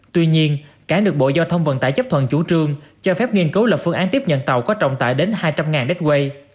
tuy nhiên cảng được bộ giao thông vận tải chấp thuận chủ trương cho phép nghiên cứu lập phương án tiếp nhận tàu có trọng tải đến hai trăm linh đệt quay